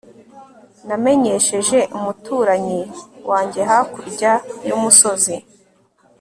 namenyesheje umuturanyi wanjye hakurya y'umusozi